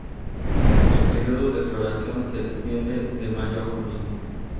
El período de floración se extiende de mayo a junio.